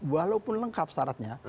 walaupun lengkap syaratnya